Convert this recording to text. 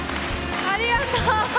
ありがとう！